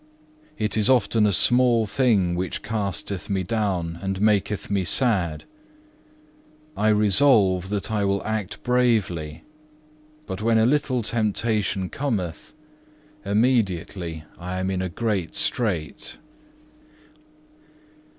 It is often a small thing which casteth me down and maketh me sad. I resolve that I will act bravely, but when a little temptation cometh, immediately I am in a great strait.